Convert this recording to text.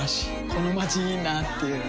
このまちいいなぁっていう